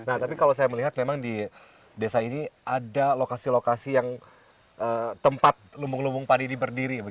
nah tapi kalau saya melihat memang di desa ini ada lokasi lokasi yang tempat lumbung lumbung padi ini berdiri